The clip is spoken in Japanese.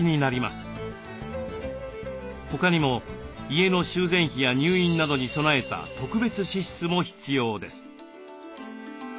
他にも家の修繕費や入院などに備えた特別支出も必要です。